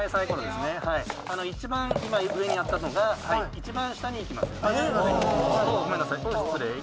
一番今、上にあったのが一番下にいきます。